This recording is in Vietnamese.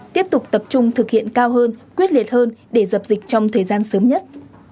tiếp tục tập trung thực hiện cao hơn quyết liệt hơn để dập dịch trong thời gian sớm nhất